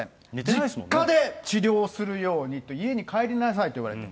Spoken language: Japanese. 実家で治療するようにって、家に帰りなさいって言われた。